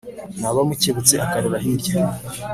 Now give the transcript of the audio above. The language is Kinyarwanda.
Naba mukebutse akarora hirya